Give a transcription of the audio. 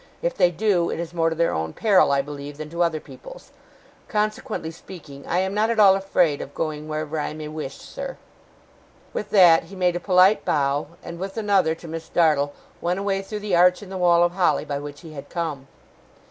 If they do, it is more to their own peril, I believe, than to other people's. Consequently speaking, I am not at all afraid of going wherever I may wish, sir.' With that, he made a polite bow; and, with another to Miss Dartle, went away through the arch in the wall of holly by which he had come.